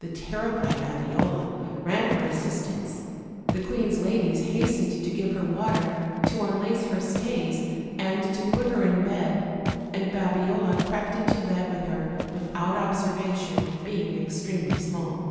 The terrified Babiola ran for assistance; the queen's ladies hastened to give her water, to unlace her stays, and to put her in bed, and Babiola crept into bed with her without observation, be ing extremely small.